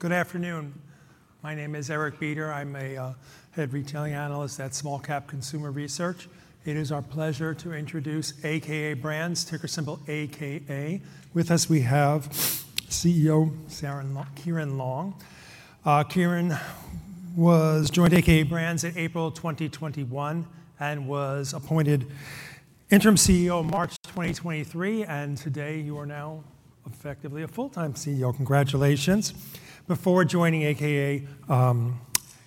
Good afternoon. My name is Eric Bieder im a head retailing analyst at Small Cap Consumer Research. It is our pleasure to introduce a.k.a. Brands, ticker symbol a.k.a. With us, we have CEO Ciaran Long. Ciaran joined a.k.a. Brands in April 2021 and was appointed interim CEO in March 2023. Today, you are now effectively a full-time CEO Congratulations. Before joining a.k.a.,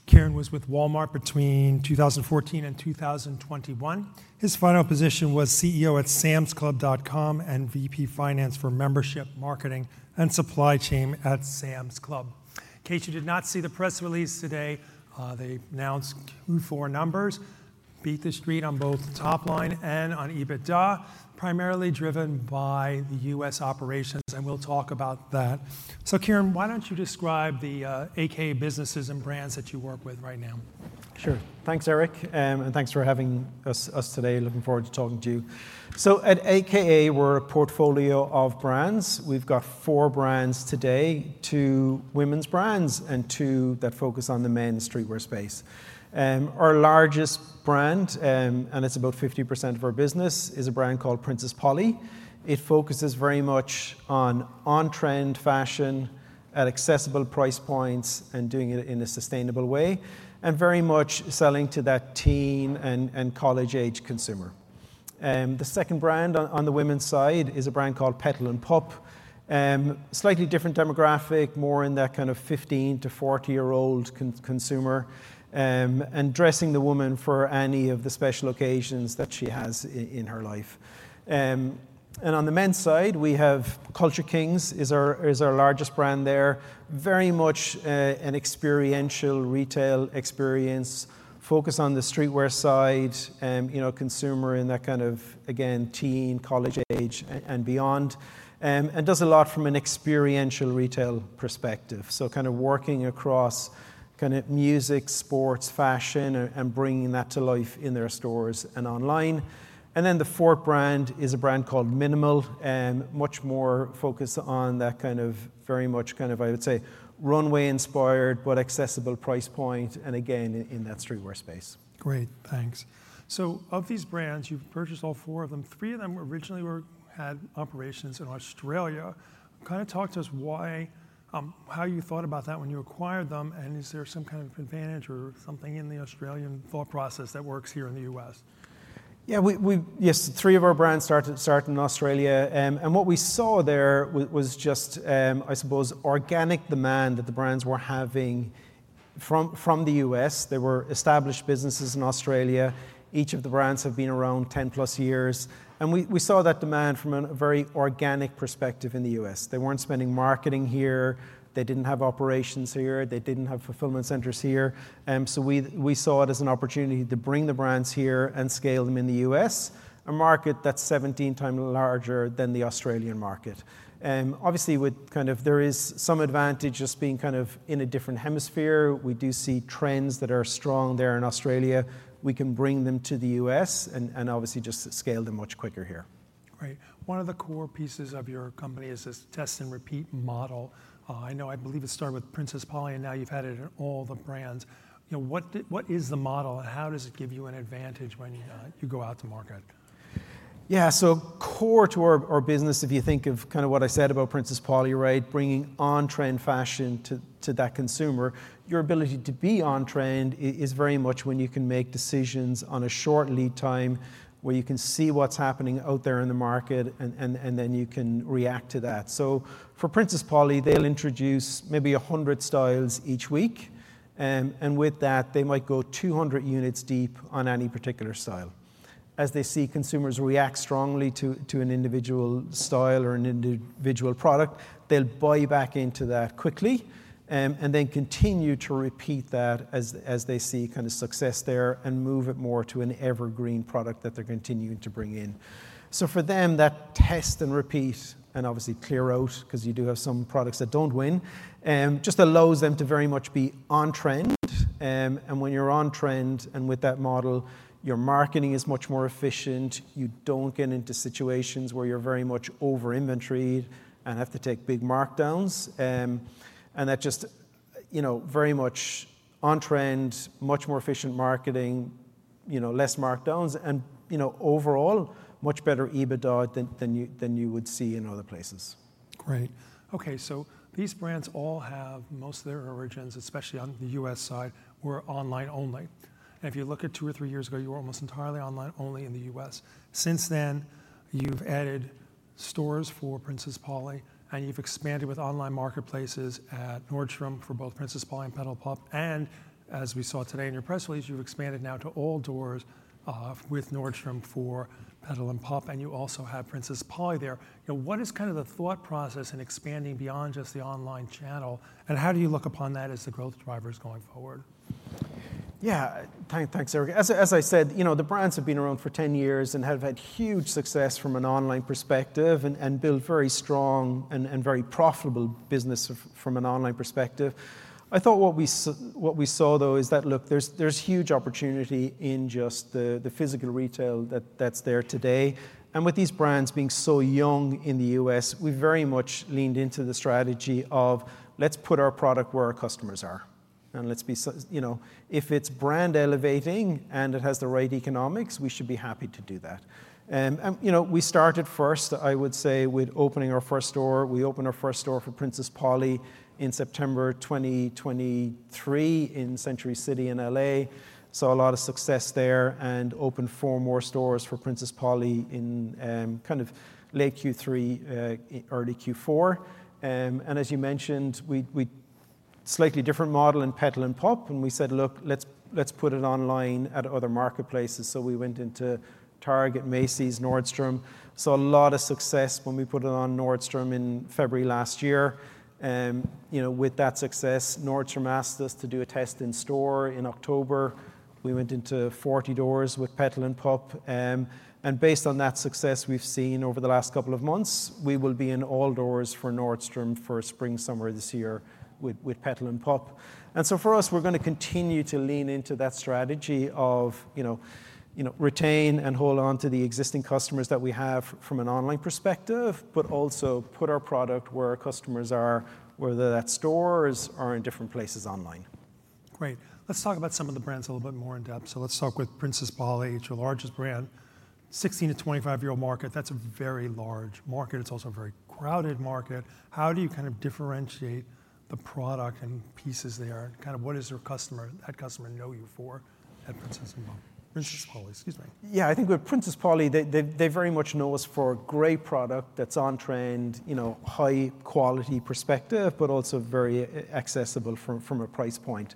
Ciaran was with Walmart between 2014 and 2021. His final position was CEO at SamsClub.com and VP Finance for Membership, Marketing, and Supply Chain at Sam's Club. In case you did not see the press release today, they announced Q4 numbers, beat the street on both top line and on EBITDA, primarily driven by the U.S. operations, and we'll talk about that. Ciaran, why don't you describe the a.k.a. businesses and brands that you work with right now? Sure. Thanks, Eric. And thanks for having us today looking forward to talking to you. So at a.k.a., we're a portfolio of brands. We've got four brands today, two women's brands and two that focus on the men's streetwear space. Our largest brand, and it's about 50% of our business, is a brand called Princess Polly. It focuses very much on on-trend fashion at accessible price points and doing it in a sustainable way, and very much selling to that teen and college-age consumer. The second brand on the women's side is a brand called Petal & Pup, slightly different demographic, more in that kind of 15-40-year-old consumer, and dressing the woman for any of the special occasions that she has in her life. On the men's side, we have Culture Kings is our largest brand there, very much an experiential retail experience, focus on the streetwear side, consumer in that kind of, again, teen, college age, and beyond, and does a lot from an experiential retail perspective so kind of working across kind of music, sports, fashion, and bringing that to life in their stores and online. Then the fourth brand is a brand called mnml, much more focused on that kind of very much kind of, I would say, runway-inspired but accessible price point, and again, in that streetwear space. Great. Thanks. So of these brands, you've purchased all four of them three of them originally had operations in Australia. Kind of talk to us why? how you thought about that when you acquired them, and is there some kind of advantage or something in the Australian thought process that works here in the U.S.? Yeah. Yes. Three of our brands started in Australia. And what we saw there was just, I suppose, organic demand that the brands were having from the U.S. There were established businesses in Australia. Each of the brands have been around 10-plus years. And we saw that demand from a very organic perspective in the U.S. They weren't spending marketing here. They didn't have operations here they didn't have fulfillment centers here. So we saw it as an opportunity to bring the brands here and scale them in the U.S., a market that's 17 times larger than the Australian market. Obviously, with kind of there is some advantage just being kind of in a different hemisphere. We do see trends that are strong there in Australia. We can bring them to the U.S. and obviously just scale them much quicker here. Right. One of the core pieces of your company is this test-and-repeat model. I know I believe it started with Princess Polly, and now you've had it in all the brands. What is the model, and how does it give you an advantage when you go out to market? Yeah. So core to our business, if you think of kind of what I said about Princess Polly, right, bringing on-trend fashion to that consumer, your ability to be on-trend is very much when you can make decisions on a short lead time where you can see what's happening out there in the market, and then you can react to that. So for Princess Polly, they'll introduce maybe 100 styles each week. And with that, they might go 200 units deep on any particular style. As they see consumers react strongly to an individual style or an individual product, they'll buy back into that quickly and then continue to repeat that as they see kind of success there and move it more to an evergreen product that they're continuing to bring in. So for them, that test and repeat and obviously clear out, because you do have some products that don't win, just allows them to very much be on-trend. And when you're on-trend and with that model, your marketing is much more efficient. You don't get into situations where you're very much over inventory and have to take big markdowns. And that just very much on-trend, much more efficient marketing, less markdowns, and overall, much better EBITDA than you would see in other places. Great. Okay. So these brands all have most of their origins, especially on the U.S. side, were online only. And if you look at two or three years ago, you were almost entirely online only in the U.S. Since then, you've added stores for Princess Polly. And you've expanded with online marketplaces at Nordstrom for both Princess Polly and Petal & Pup. And as we saw today in your press release, you've expanded now to all doors with Nordstrom for Petal & Pup, and you also have Princess Polly there. What is kind of the thought process in expanding beyond just the online channel, and how do you look upon that as the growth drivers going forward? Yeah. Thanks, Eric as I said, the brands have been around for 10 years and have had huge success from an online perspective and built very strong and very profitable business from an online perspective. I thought what we saw, though, is that, look, there's huge opportunity in just the physical retail that's there today, and with these brands being so young in the U.S., we've very much leaned into the strategy of, let's put our product where our customers are. And if it's brand-elevating and it has the right economics, we should be happy to do that. We started first, I would say, with opening our first store we opened our first store for Princess Polly in September 2023 in Century City in L.A., saw a lot of success there, and opened four more stores for Princess Polly in kind of late Q3, early Q4. And as you mentioned, slightly different model in Petal & Pup, And we said, look, let's put it online at other marketplaces so we went into Target, Macy's, Nordstrom. Saw a lot of success when we put it on Nordstrom in February last year. With that success, Nordstrom asked us to do a test in store in October. We went into 40 doors with Petal & Pup. And based on that success we've seen over the last couple of months, we will be in all doors for Nordstrom for spring, summer this year with Petal & Pup. And so for us, we're going to continue to lean into that strategy of retain and hold on to the existing customers that we have from an online perspective, but also put our product where our customers are, whether that stores are in different places online. Great. Let's talk about some of the brands a little bit more in depth. So let's talk with Princess Polly, your largest brand, 16 to 25-year-old market that's a very large market it's also a very crowded market. How? do you kind of differentiate the product and pieces there, Kind of what does your customer, that customer, know you for at Princess Polly? Excuse me. So i think with Princess Polly, they very much know us for a great product that's on-trend, high-quality perspective, but also very accessible from a price point.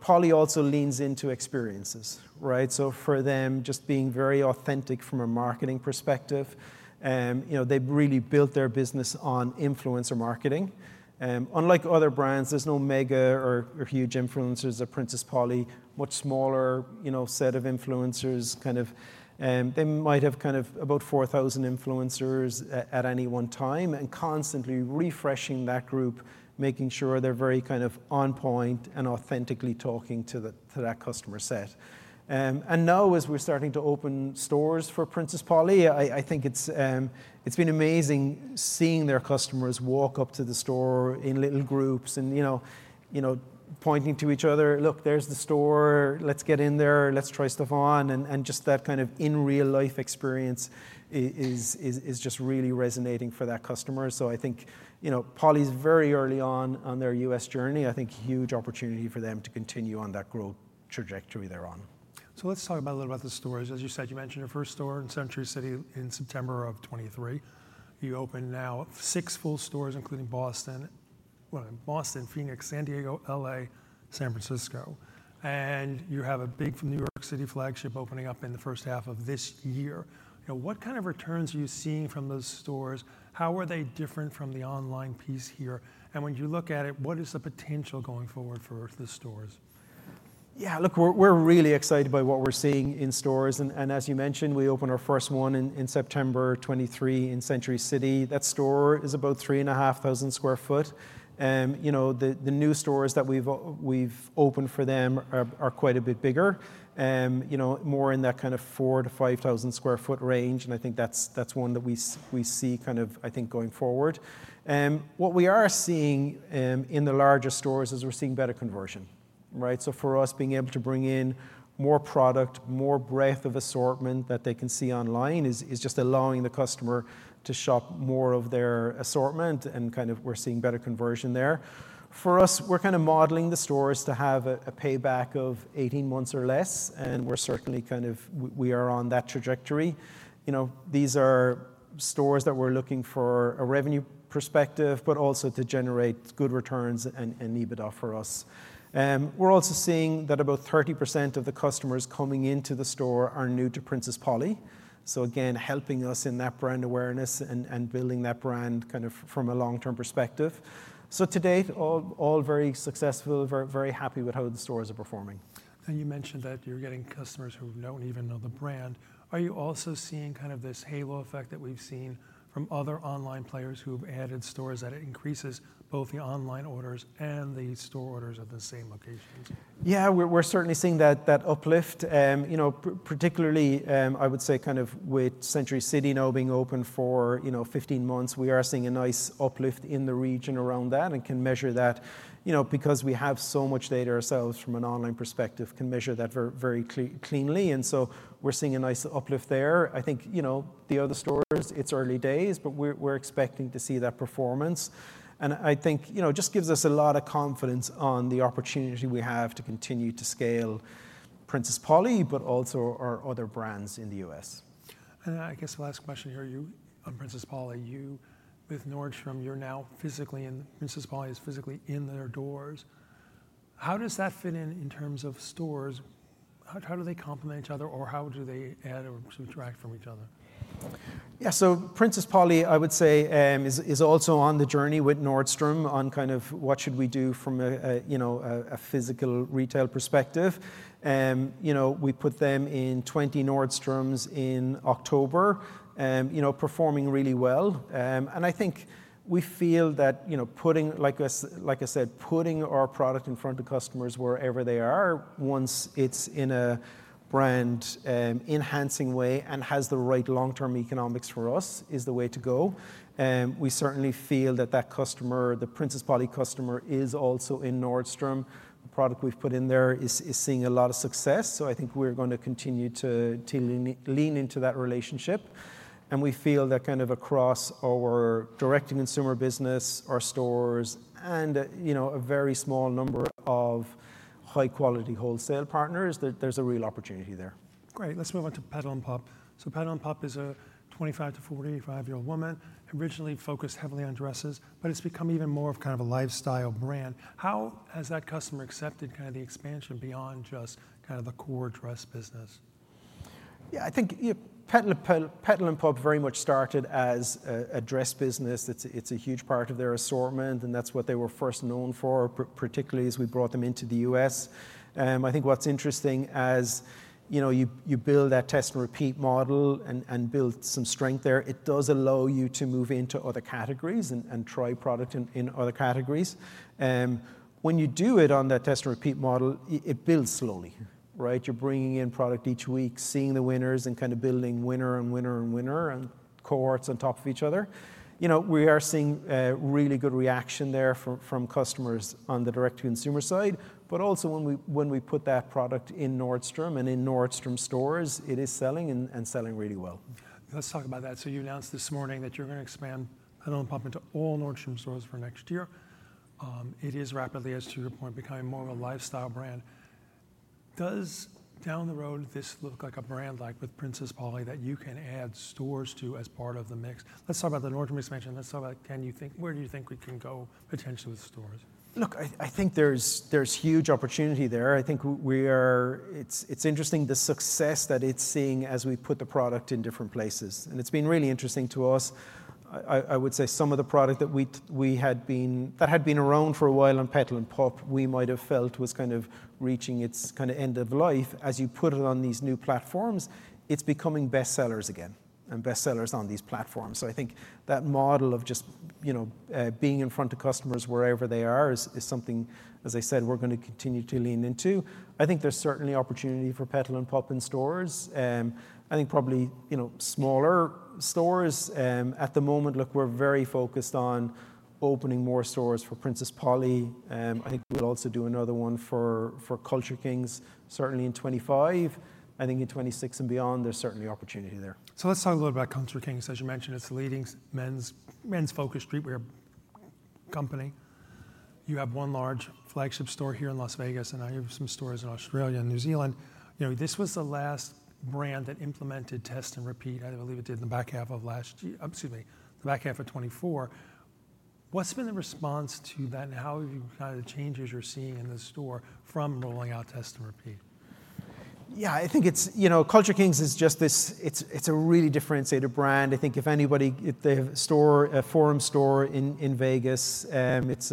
Polly also leans into experiences, right? So for them, just being very authentic from a marketing perspective, they've really built their business on influencer marketing. Unlike other brands, there's no mega or huge influencers at Princess Polly, much smaller set of influencers kind of they might have kind of about 4,000 influencers at any one time and constantly refreshing that group, making sure they're very kind of on point and authentically talking to that customer set. And now, as we're starting to open stores for Princess Polly, I think it's been amazing seeing their customers walk up to the store in little groups and pointing to each other, look, there's the store, Let's get in there, Let's try stuff on and just that kind of in-real-life experience is just really resonating for that customer so I think Polly's very early on their U.S. journey i think huge opportunity for them to continue on that growth trajectory they're on. Let's talk about a little about the stores as you said, you mentioned your first store in Century City in September of 2023. You opened now six full stores, including Boston, well, Phoenix, San Diego, L.A., San Francisco. And you have a big New York City flagship opening up in the first half of this year. What kind? of returns are you seeing from those stores, How? are they different from the online piece here? And when you look at it, what is the potential going forward for the stores? Yeah. Look, we're really excited by what we're seeing in stores and as you mentioned, we opened our first one in September 2023 in Century City that store is about 3,500 sq ft. The new stores that we've opened for them are quite a bit bigger, more in that kind of 4,000-5,000 sq ft range and I think that's one that we see kind of, I think, going forward. What we are seeing in the larger stores is we're seeing better conversion, right? So for us, being able to bring in more product, more breadth of assortment that they can see online is just allowing the customer to shop more of their assortment and kind of we're seeing better conversion there. For us, we're kind of modeling the stores to have a payback of 18 months or less and we're certainly kind of we are on that trajectory. These are stores that we're looking for a revenue perspective, but also to generate good returns and EBITDA for us. We're also seeing that about 30% of the customers coming into the store are new to Princess Polly. So again, helping us in that brand awareness and building that brand kind of from a long-term perspective. So to date, all very successful, very happy with how the stores are performing. And you mentioned that you're getting customers who don't even know the brand. Are you also seeing kind of this halo effect that we've seen from other online players who've added stores that it increases both the online orders and the store orders at the same locations? Yeah we're certainly seeing that uplift, particularly. I would say kind of with Century City now being open for 15 months, we are seeing a nice uplift in the region around that and can measure that because we have so much data ourselves from an online perspective, can measure that very cleanly and so we're seeing a nice uplift there i think the other stores, it's early days, but we're expecting to see that performance. And I think it just gives us a lot of confidence on the opportunity we have to continue to scale Princess Polly, but also our other brands in the U.S. And I guess last question here. You on Princess Polly, you with Nordstrom, you're now physically in Princess Polly is physically in their doors. How does that fit in in terms of stores? How do they complement each other, or how do they add or subtract from each other? Yeah. So Princess Polly, I would say, is also on the journey with Nordstrom on kind of what should we do from a physical retail perspective. We put them in 20 Nordstroms in October, performing really well. And I think we feel that, like I said, putting our product in front of customers wherever they are once it's in a brand-enhancing way and has the right long-term economics for us is the way to go. We certainly feel that that customer, the Princess Polly customer, is also in Nordstrom. The product we've put in there is seeing a lot of success so i think we're going to continue to lean into that relationship. And we feel that kind of across our direct-to-consumer business, our stores, and a very small number of high-quality wholesale partners, there's a real opportunity there. Great let's move on to Petal & Pup. So Petal & Pup is a 25-45-year-old woman, originally focused heavily on dresses, but it's become even more of kind of a lifestyle brand how? has that customer accepted kind of the expansion beyond just kind of the core dress business? Yeah i think Petal & Pup very much started as a dress business it's a huge part of their assortment, and that's what they were first known for, particularly as we brought them into the U.S. I think what's interesting, as you build that test-and-repeat model and build some strength there, it does allow you to move into other categories and try product in other categories. When you do it on that test-and-repeat model, it builds slowly, right? You're bringing in product each week, seeing the winners and kind of building winner and winner and winner and cohorts on top of each other. We are seeing really good reaction there from customers on the direct-to-consumer side. But also, when we put that product in Nordstrom and in Nordstrom stores, it is selling and selling really well. Let's talk about that. So you announced this morning that you're going to expand Petal & Pup into all Nordstrom stores for next year. It is rapidly, as to your point, becoming more of a lifestyle brand. Does? down the road, this look like a brand like with Princess Polly that you can add stores to as part of the mix? Let's talk about the Nordstrom expansion let's talk about, can you think where do you think we can go potentially with stores? Look, I think there's huge opportunity there i think it's interesting, the success that it's seeing as we put the product in different places it's been really interesting to us. I would say some of the product that had been around for a while on Petal & Pup, we might have felt was kind of reaching its kind of end of life as you put it on these new platforms, it's becoming best sellers again and best sellers on these platforms i think that model of just being in front of customers wherever they are is something, as I said, we're going to continue to lean into. I think there's certainly opportunity for Petal & Pup in stores. I think probably smaller stores at the moment, look, we're very focused on opening more stores for Princess Polly. I think we'll also do another one for Culture Kings, certainly in 2025. I think in 2026 and beyond, there's certainly opportunity there. So let's talk a little bit about Culture Kings as you mentioned, it's a leading men's-focused streetwear company. You have one large flagship store here in Las Vegas, and now you have some stores in Australia and New Zealand. This was the last brand that implemented test-and-repeat i believe it did in the back half of last, excuse me, the back half of 2024. What's been the response to that, and how have you gotten the changes you're seeing in the store from rolling out test-and-repeat? Yeah i think Culture Kings is just this. It's a really differentiated brand i think if anybody, if they have a store, a flagship store in Vegas, it's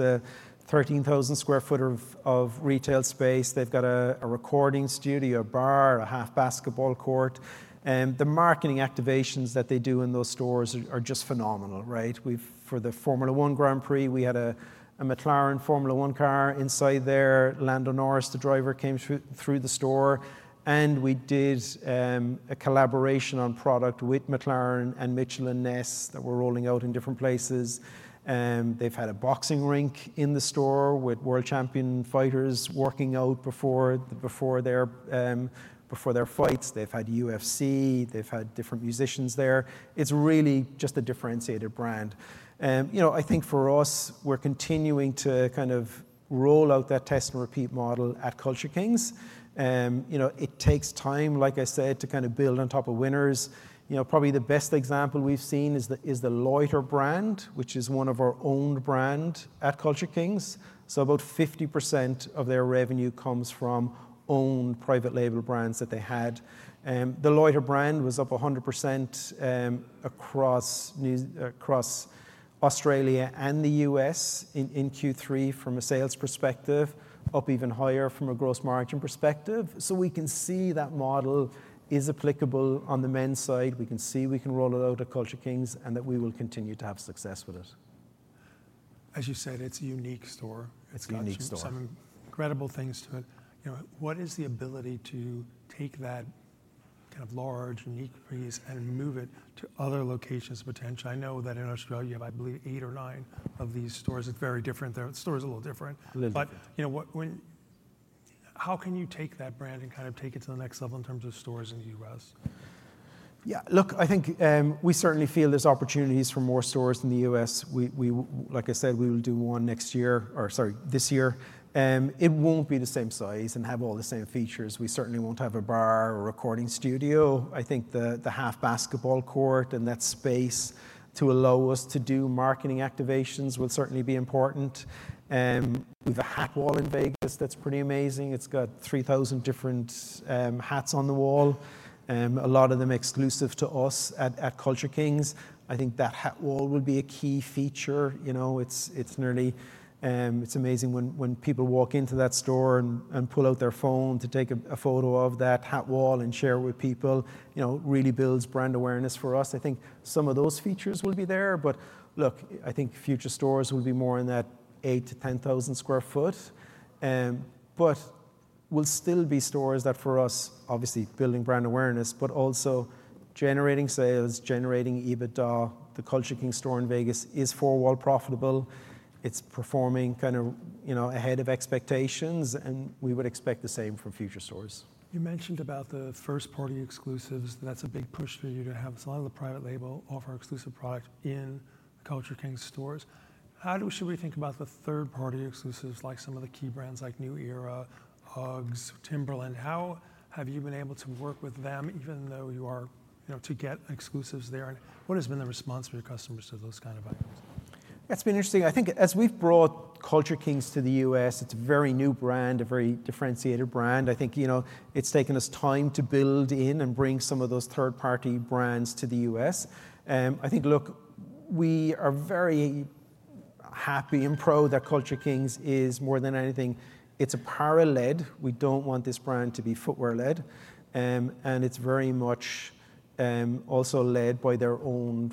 13,000 sq ft of retail space they've got a recording studio, a bar, a half basketball court. The marketing activations that they do in those stores are just phenomenal, right? For the Formula 1 Grand Prix, we had a McLaren Formula 1 car inside there. Lando Norris, the driver, came through the store. And we did a collaboration on product with McLaren and Mitchell & Ness that we're rolling out in different places. They've had a boxing rink in the store with world champion fighters working out before their fights they've had UFC. They've had different musicians there. It's really just a differentiated brand. I think for us, we're continuing to kind of roll out that test-and-repeat model at Culture Kings. It takes time, like I said, to kind of build on top of winners. Probably the best example we've seen is the Loiter brand, which is one of our owned brands at Culture Kings. So about 50% of their revenue comes from owned private label brands that they had. The Loiter brand was up 100% across Australia and the U.S. in Q3 from a sales perspective, up even higher from a gross margin perspective so we can see that model is applicable on the men's side we can see we can roll it out at Culture Kings and that we will continue to have success with it. As you said, it's a unique store. It's a unique store. It's got some incredible things to it. What? is the ability to take that kind of large unique piece and move it to other locations potentially, I know that in Australia, you have, I believe, eight or nine of these stores. It's very different there. The store is a little different. But how can you take that brand and kind of take it to the next level in terms of stores in the U.S.? Yeah. Look, I think we certainly feel there's opportunities for more stores in the U.S. Like I said, we will do one next year, or sorry, this year. It won't be the same size and have all the same features. We certainly won't have a bar or recording studio i think the half basketball court and that space to allow us to do marketing activations will certainly be important. We have a hat wall in Vegas that's pretty amazing. It's got 3,000 different hats on the wall, a lot of them exclusive to us at Culture Kings. I think that hat wall will be a key feature. It's amazing when people walk into that store and pull out their phone to take a photo of that hat wall and share with people, really builds brand awareness for us i think some of those features will be there but, look, I think future stores will be more in that 8,000-10,000 sq ft. But we'll still be stores that for us, obviously, building brand awareness, but also generating sales, generating EBITDA. The Culture Kings store in Vegas is four-wall profitable. It's performing kind of ahead of expectations, and we would expect the same from future stores. You mentioned about the first-party exclusives that's a big push for you to have some of the private label offer exclusive products in Culture Kings stores. How? should we think about the third-party exclusives, like some of the key brands like New Era, UGG, Timberland, How? have you been able to work with them, even though you are to get exclusives there, And what has been the response of your customers to those kinds of items? That's been interesting i think as we've brought Culture Kings to the U.S., it's a very new brand, a very differentiated brand i think it's taken us time to build in and bring some of those third-party brands to the U.S. I think, look, we are very happy and proud that Culture Kings is, more than anything, it's a parallel lead. We don't want this brand to be footwear-led. And it's very much also led by their own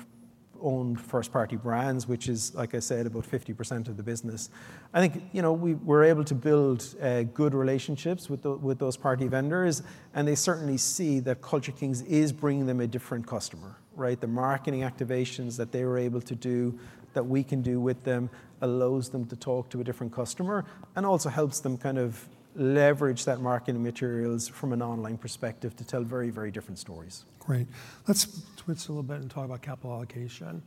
first-party brands, which is, like I said, about 50% of the business. I think we're able to build good relationships with those party vendors. And they certainly see that Culture Kings is bringing them a different customer, right? The marketing activations that they were able to do, that we can do with them, allows them to talk to a different customer and also helps them kind of leverage that marketing materials from an online perspective to tell very, very different stories. Great. Let's switch a little bit and talk about capital allocation.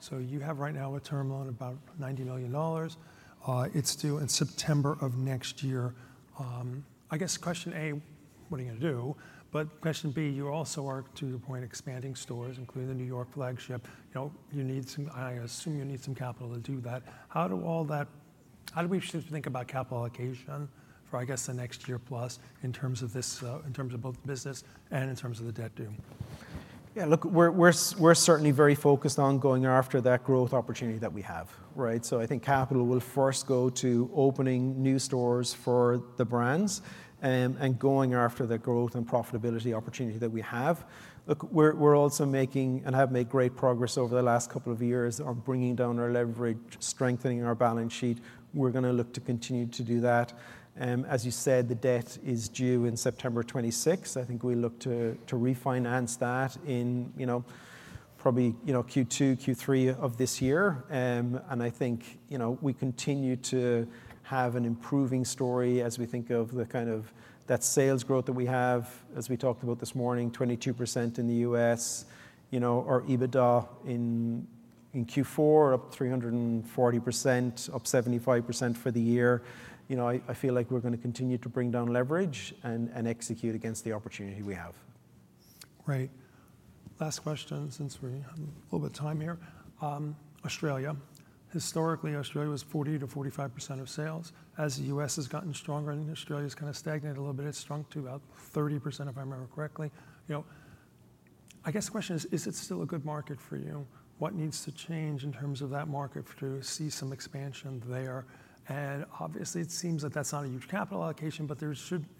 So you have right now a term loan of about $90 million. It's due in September of next year. I guess question A, what are you going to do? But question B, you also are, to your point, expanding stores, including the New York flagship. You need some, I assume you need some capital to do that. How? do all that, how do we think? about capital allocation for, I guess, the next year plus in terms of this in terms of both the business and in terms of the debt due? Yeah. Look, we're certainly very focused on going after that growth opportunity that we have, right? So I think capital will first go to opening new stores for the brands and going after the growth and profitability opportunity that we have. Look, we're also making and have made great progress over the last couple of years on bringing down our leverage, strengthening our balance sheet we're going to look to continue to do that. As you said, the debt is due in September 2026 i think we look to refinance that in probably Q2, Q3 of this year and, I think we continue to have an improving story as we think of the kind of that sales growth that we have, as we talked about this morning, 22% in the U.S., our EBITDA in Q4 up 340%, up 75% for the year. I feel like we're going to continue to bring down leverage and execute against the opportunity we have. Great. Last question since we have a little bit of time here. Australia. Historically, Australia was 40%-45% of sales. As the U.S. has gotten stronger and Australia's kind of stagnated a little bit, it's shrunk to about 30%, if I remember correctly. I guess the question is, is it still a good market for you? What needs to change in terms of that market to see some expansion there? And obviously, it seems that that's not a huge capital allocation, but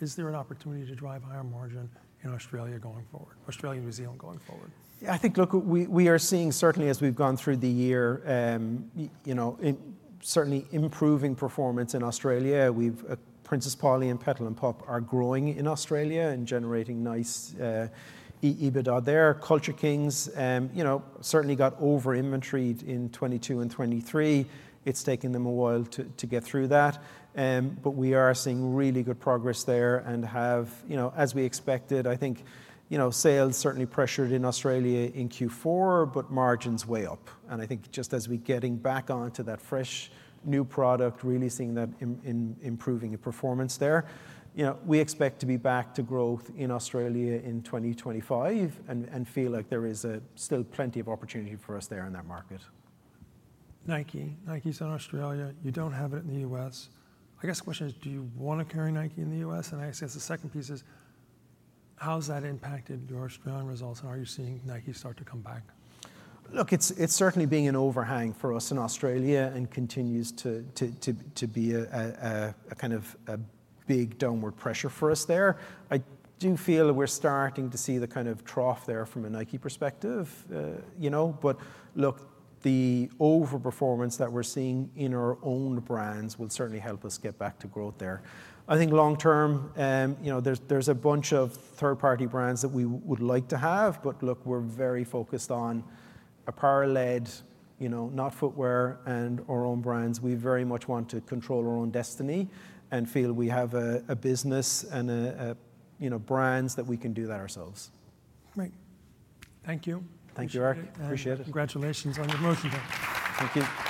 is there an opportunity to drive higher margin in Australia going forward, Australia and New Zealand going forward? Yeah i think, look, we are seeing certainly, as we've gone through the year, certainly improving performance in Australia. Princess Polly and Petal & Pup are growing in Australia and generating nice EBITDA there Culture Kings certainly got over-inventoried in 2022 and 2023. It's taken them a while to get through that. But we are seeing really good progress there and have, as we expected, I think, sales certainly pressured in Australia in Q4, but margins way up. And I think just as we're getting back onto that fresh new product, really seeing that improving performance there, we expect to be back to growth in Australia in 2025 and feel like there is still plenty of opportunity for us there in that market. Nike. Nike's in Australia. You don't have it in the U.S. I guess the question is, do you want to carry Nike in the U.S.? And I guess the second piece is, how has that impacted your Australian results? And are you seeing Nike start to come back? Look, it's certainly being an overhang for us in Australia and continues to be a kind of big downward pressure for us there. I do feel that we're starting to see the kind of trough there from a Nike perspective. But look, the overperformance that we're seeing in our own brands will certainly help us get back to growth there. I think long-term, there's a bunch of third-party brands that we would like to have but look, we're very focused on a parallel lead, not footwear and our own brands we very much want to control our own destiny and feel we have a business and brands that we can do that ourselves. Great. Thank you. Thank you, Eric. Appreciate it. Congratulations on your motion there. Thank you.